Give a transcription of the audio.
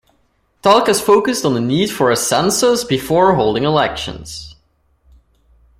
Talk has focused on the need for a census before holding elections.